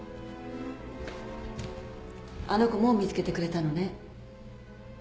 あの子もう見つけてくれたのね。